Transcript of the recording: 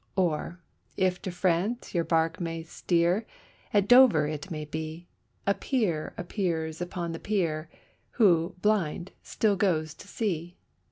Or, if to France your bark may steer, at Dover it may be, A peer appears upon the pier, who, blind, still goes to sea.